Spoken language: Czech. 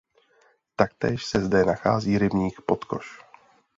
Taktéž se zde nachází rybník Potkoš.